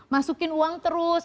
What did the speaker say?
masukin uang terus